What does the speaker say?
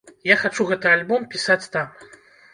Я хачу гэты альбом пісаць там.